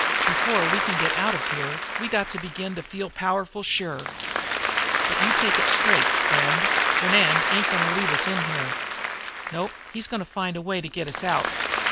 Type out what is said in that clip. Before we can get out of here we got to begin to feel powerful sure." "But you take it straight, friend: Fernand ain't going to leave us in here. Nope, he's going to find a way to get us out.